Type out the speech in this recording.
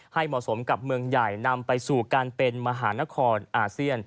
เหมาะสมกับเมืองใหญ่นำไปสู่การเป็นมหานครอาเซียน